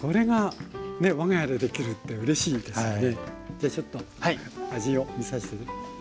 じゃあちょっと味を見さしてね。